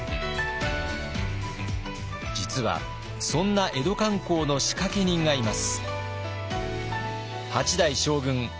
実はそんな江戸観光の仕掛け人がいます。